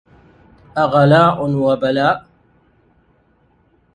أغلاء وبلاء